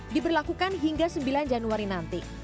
diberlakukan hingga sembilan januari nanti